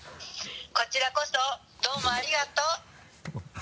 こちらこそどうもありがとう。